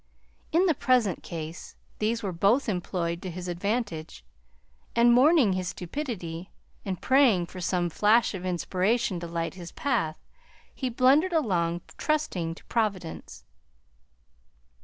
In the present case these were both employed to his advantage, and mourning his stupidity and praying for some flash of inspiration to light his path, he blundered along, trusting to Providence.